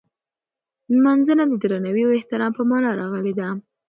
نمځنه د درناوي او احترام په مانا راغلې ده.